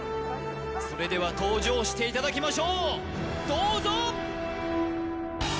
それでは登場していただきましょうどうぞ！